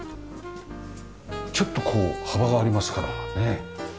ちょっとこう幅がありますからねえ。